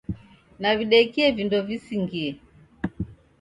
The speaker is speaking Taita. Nawidekie vindo visingie